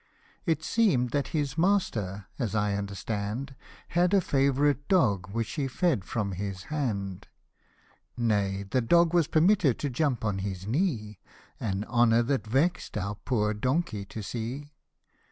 It seems that his master, as I understand, Had a favourite dog which he fed from his hand ; Nay, the dog was permitted to jump on his knee: An honour that vex'd our poor donkey to see.